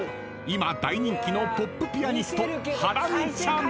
今大人気のポップピアニストハラミちゃん］